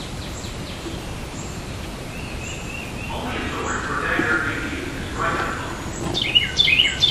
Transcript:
Only a sword or dagger may be used to strike an opponent.